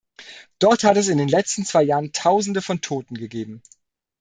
Dort hat es in den letzten zwei Jahren Tausende von Toten gegeben.